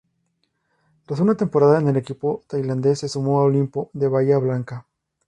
Tras una temporada en el equipo tandilense, se sumó a Olimpo de Bahía Blanca.